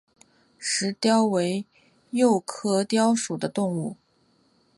石貂为鼬科貂属的动物。